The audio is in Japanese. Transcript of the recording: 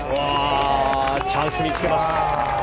チャンスにつけます！